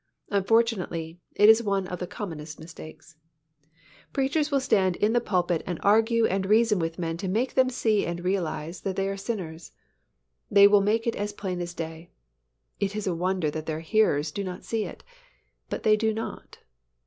Unfortunately, it is one of the commonest mistakes. Preachers will stand in the pulpit and argue and reason with men to make them see and realize that they are sinners. They make it as plain as day; it is a wonder that their hearers do not see it; but they do not.